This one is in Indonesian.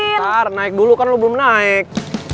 ntar naik dulu kan lo belum naik